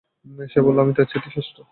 সে বলল, আমি তার চাইতে শ্রেষ্ঠ।